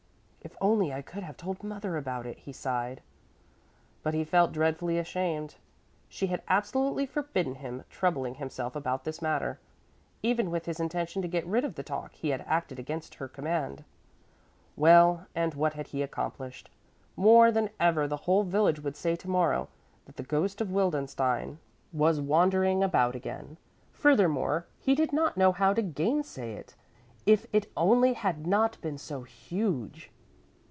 "If only I could have told mother about it!" he sighed. But he felt dreadfully ashamed. She had absolutely forbidden him troubling himself about this matter. Even with his intention to get rid of the talk he had acted against her command. Well, and what had he accomplished? More than ever the whole village would say to morrow that the ghost of Wildenstein was wandering about again. Furthermore he did not know how to gainsay it. If it only had not been so huge!